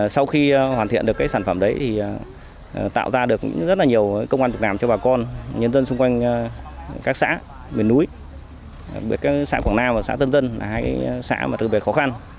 sau khi hoàn thiện được sản phẩm đấy thì tạo ra được rất nhiều công an thực làm cho bà con nhân dân xung quanh các xã miền núi xã quảng nam và xã tân dân là hai xã mà thực vật khó khăn